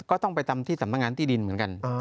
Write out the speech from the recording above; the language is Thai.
ก็ต้องไปทำที่สำนักงานที่ดินเหมือนกัน